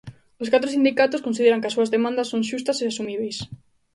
Os catro sindicatos consideran que as súas demandas son "xustas" e "asumíbeis".